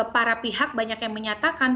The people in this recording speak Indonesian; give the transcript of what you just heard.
para pihak banyak yang menyatakan